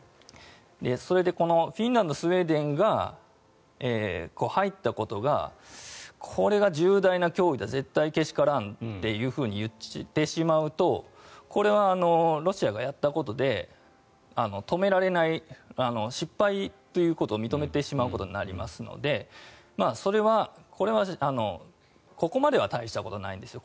それでこのフィンランドスウェーデンが入ったことがこれは重大な脅威だ絶対けしからんと言ってしまうとこれはロシアがやったことで止められない失敗ということを認めてしまうことになりますのでそれは、ここまでは大したことないんですよ。